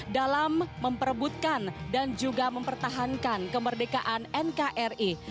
dalam memperebutkan dan juga mempertahankan kemerdekaan nkri